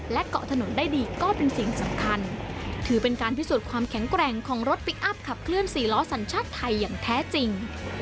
เกาะถนนได้ดีก็เป็นสิ่งสำคัญถือเป็นการพิสูจน์ความแข็งแกร่งของรถพลิกอัพขับเคลื่อนสี่ล้อสัญชาติไทยอย่างแท้จริง